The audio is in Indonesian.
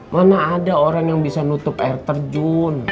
mana ada orang yang bisa nutup air terjun